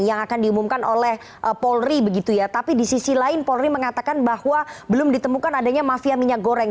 yang akan diumumkan oleh polri begitu ya tapi di sisi lain polri mengatakan bahwa belum ditemukan adanya mafia minyak goreng